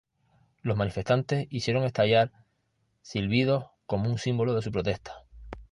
Los manifestantes hicieron estallar silbidos como un símbolo de su protesta.